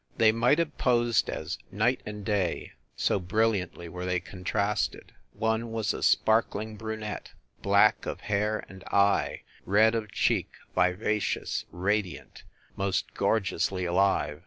They might have posed as "Night and Day," so brilliantly were they contrasted. One was a spark ling brunette, black of hair and eye, red of cheek, vivacious, radiant, most gorgeously alive.